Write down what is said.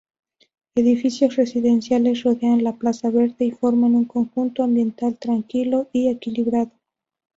Edificios residenciales rodean la plaza verde y forman un conjunto ambiental tranquilo y equilibrado.